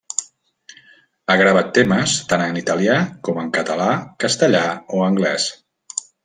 Ha gravat temes tant en italià com en català, castellà o anglès.